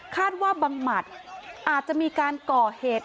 คาดว่าบางหมัดอาจจะมีการเกาะเหตุ